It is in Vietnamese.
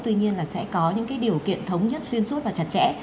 tuy nhiên là sẽ có những điều kiện thống nhất xuyên suốt và chặt chẽ